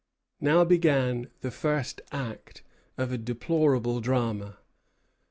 Now began the first act of a deplorable drama.